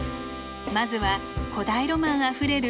まずは古代ロマンあふれる